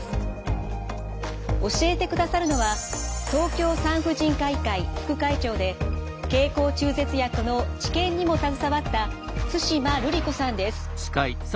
教えてくださるのは東京産婦人科医会副会長で経口中絶薬の治験にも携わった対馬ルリ子さんです。